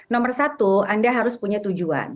nomor satu anda harus punya tujuan